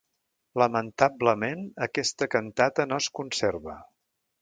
Lamentablement, aquesta cantata no es conserva.